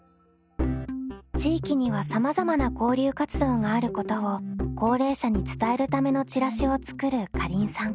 地域にはさまざまな交流活動があることを高齢者に伝えるためのチラシを作るかりんさん。